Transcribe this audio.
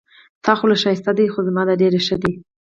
د تا خوله ښایسته ده خو زما ډېره ښه ده